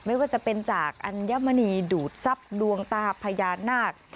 ไม่ว่าจะเป็นจากอัญมณีดูดทรัพย์ดวงตาพญานาค